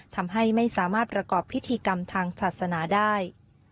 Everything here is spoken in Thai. ทำให้ไม่สามารถประกอบพิธีกรรมทางศาสนาได้